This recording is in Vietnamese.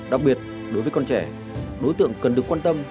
đặc biệt đối với con trẻ đối tượng cần được quan tâm